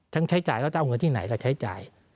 ทั้งใช้จ่ายแล้วจะเอาเงินที่ไหนและใช้จ่าย